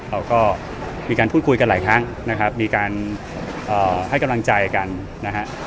เราก็มีการพูดคุยกันหลายครั้งนะครับมีการให้กำลังใจกันนะฮะ